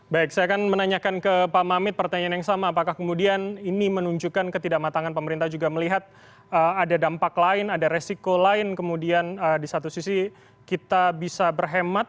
baik saya akan menanyakan ke pak mamit pertanyaan yang sama apakah kemudian ini menunjukkan ketidakmatangan pemerintah juga melihat ada dampak lain ada resiko lain kemudian di satu sisi kita bisa berhemat